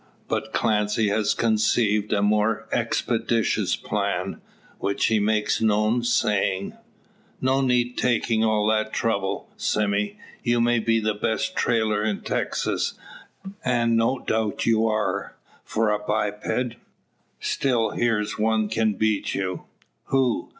But Clancy has conceived a more expeditious plan, which he makes known, saying: "No need taking all that trouble, Sime. You may be the best trailer in Texas; and no doubt you are, for a biped: still here's one can beat you." "Who?"